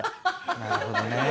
なるほどね。